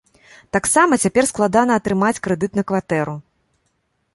Таксама цяпер складана атрымаць крэдыт на кватэру.